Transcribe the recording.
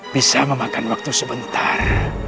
bisa memakan waktu sebentar